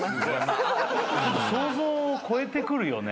想像を超えてくるよね。